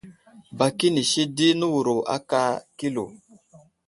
Bak inisi di newuro aka kilo.